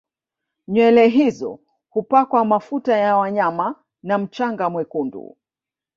Nywele hizo hupakwa mafuta ya wanyama na mchanga mwekundu